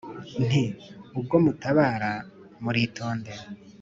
Nti: "Ubwo mutabara muritonde,